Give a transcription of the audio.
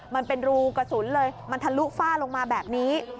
มันเป็นรูกระสุนเลยมันทะลุฝ้าลงมาแบบนี้